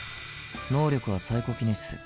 能力はサイコキネシス。